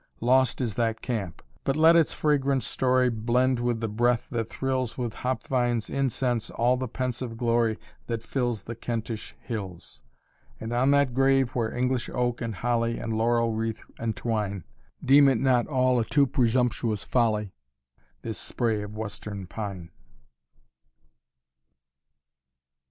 Lost is that camp, but let its fragrant story Blend with the breath that thrills With hop vines' incense all the pensive glory That fills the Kentish hills. And on that grave where English oak and holly And laurel wreath entwine, Deem it not all a too presumptuous folly, This spray of Western pine."